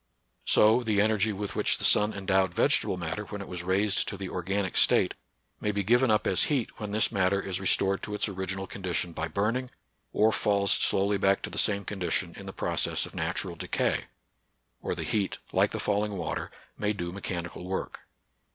So the energy with which the sun endowed vegetable matter when it was raised to the or ganic state may be given up as heat when this matter is restored to its original condition by burning, or falls slowly back to the same con dition in the process of natural decay ; or the heat, like the falling water, may do mechanical work.